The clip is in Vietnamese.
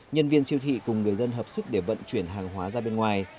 nhân viên siêu thị cùng người dân hợp sức để vận chuyển hàng hóa ra bên ngoài